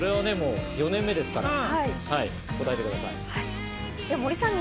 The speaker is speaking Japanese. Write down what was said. ４年目ですから答えてください。